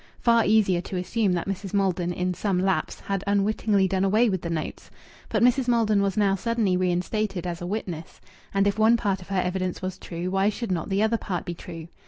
Far easier to assume that Mrs. Maldon in some lapse had unwittingly done away with the notes! But Mrs. Maldon was now suddenly reinstated as a witness. And if one part of her evidence was true, why should not the other part be true?